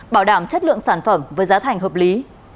bảo đảm chất lượng sản phẩm với giá thành hợp lý